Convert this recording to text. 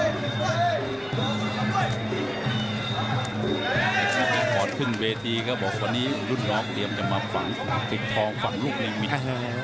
อีกครอบครึ่งเวทีก็บอกว่าวันนี้รุ่นนอกเหลี่ยมจะมาฝังพริกทองฝังลูกนิ่งมิตร